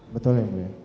betul yang mulia